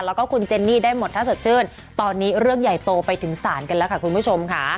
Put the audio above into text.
แล้วก็คุณเจนนี่ได้หมดถ้าสดชื่นตอนนี้เรื่องใหญ่โตไปถึงศาลกันแล้วค่ะคุณผู้ชมค่ะ